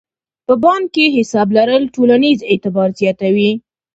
په بانک کې حساب لرل ټولنیز اعتبار زیاتوي.